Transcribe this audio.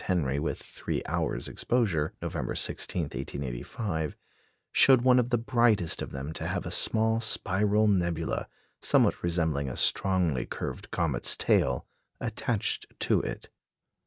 Henry with three hours' exposure, November 16, 1885, showed one of the brightest of them to have a small spiral nebula, somewhat resembling a strongly curved comet's tail, attached to it.